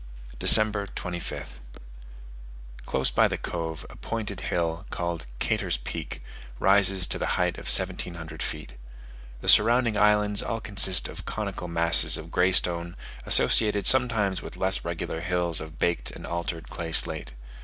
December 25th. Close by the Cove, a pointed hill, called Kater's Peak, rises to the height of 1700 feet. The surrounding islands all consist of conical masses of greenstone, associated sometimes with less regular hills of baked and altered clay slate.